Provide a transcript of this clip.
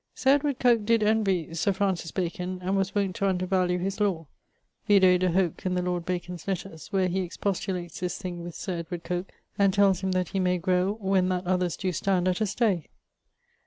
Sir Edward Coke did envie Sir Francis Bacon, and was wont to undervalue his lawe: vide de hoc in the lord Bacon's lettres, where he expostulates this thing with Sir Edward Coke, and tells him that he may grow when that others doe stand at a stay.